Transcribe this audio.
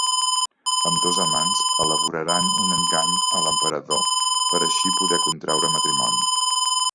Ambdós amants elaboraran un engany a l'emperador per així poder contraure matrimoni.